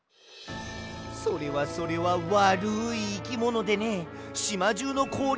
それはそれはわるいいきものでねしまじゅうのこおりをとかすんだよ。